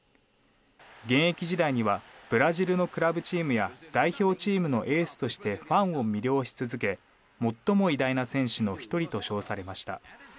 現役時代にはブラジルのクラブチームや代表チームのエースとしてファンを魅了し続け最も偉大な選手の１人と称されました。